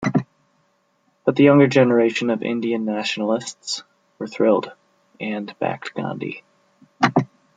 But the younger generation of Indian nationalists were thrilled, and backed Gandhi.